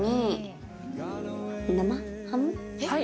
はい。